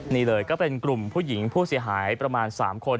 นี่เลยก็เป็นกลุ่มผู้หญิงผู้เสียหายประมาณ๓คน